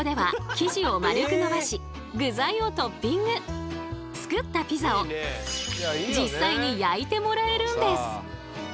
ここでは作ったピザを実際に焼いてもらえるんです！